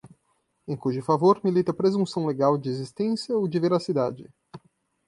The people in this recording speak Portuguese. em cujo favor milita presunção legal de existência ou de veracidade